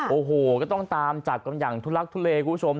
โอ้โหก็ต้องตามจับกันอย่างทุลักทุเลคุณผู้ชม